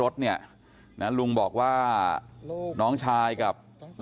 พี่สาวอายุ๗ขวบก็ดูแลน้องดีเหลือเกิน